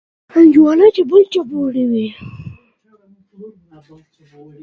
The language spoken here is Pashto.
دا مېتود علم ژور او دقیق کوي.